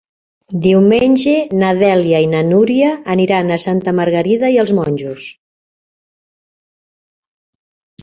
Diumenge na Dèlia i na Núria aniran a Santa Margarida i els Monjos.